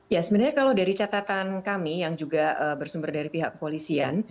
ya sebenarnya kalau dari catatan kami yang juga bersumber dari pihak kepolisian